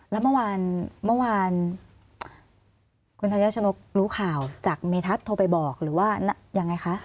และเมื่อวานคุณธุนยาชนุกรู้ข่าวจากเมธัศน์โทรไปบอกหรือว่ายังไงคะ